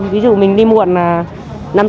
ví dụ mình đi muộn